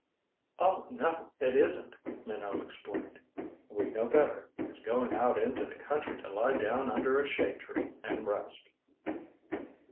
"Oh, no, it isn't," Minot explained. "We know better. It's going out into the country to lie down under a shade tree and rest."